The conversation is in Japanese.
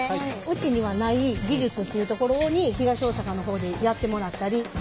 うちにはない技術っていうところに東大阪の方でやってもらったり。